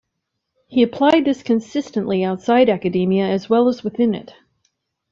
He applied this consistently outside academia as well as within it.